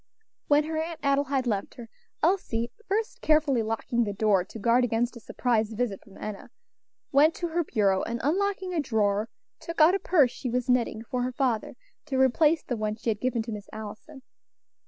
When her Aunt Adelaide left her, Elsie first carefully locking the door to guard against a surprise visit from Enna went to her bureau, and unlocking a drawer, took out a purse she was knitting for her father, to replace the one she had given to Miss Allison.